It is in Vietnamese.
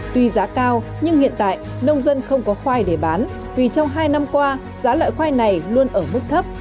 tuy giá cao nhưng hiện tại nông dân không có khoai để bán vì trong hai năm qua giá loại khoai này luôn ở mức thấp